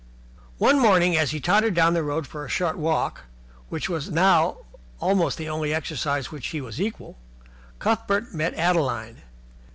One morning, as he tottered down the road for the short walk which was now almost the only exercise to which he was equal, Cuthbert met Adeline.